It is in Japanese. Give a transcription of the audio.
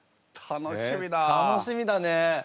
楽しみだね。